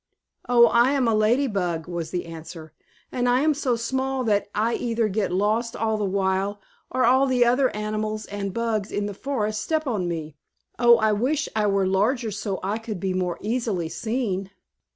"Oh, I am a Lady Bug," was the answer, "and I am so small that I either get lost all the while, or all the other animals and bugs in the forest step on me. Oh, I wish I were larger so I could be more easily seen!"